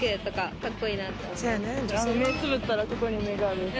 目つぶったらここに目があるやつ？